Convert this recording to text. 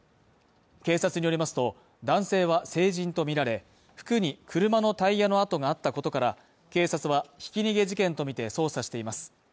警察によりますと、男性は成人とみられ、服に車のタイヤの跡があったことから警察はひき逃げ事件とみて捜査しています。